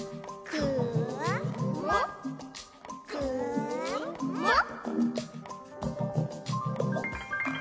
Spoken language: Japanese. くーもっ？くーもっ？！」